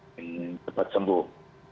tidak sempat sembuh